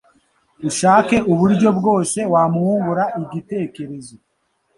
ushake uburyo bwose wamwungura igikerekezo,